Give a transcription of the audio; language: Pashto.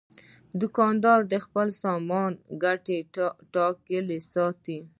دوکاندار د خپل سامان ګټه ټاکلې ساتي.